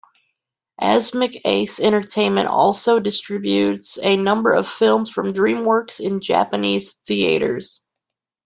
Asmik Ace Entertainment also distributes a number of films from DreamWorks in Japanese theaters.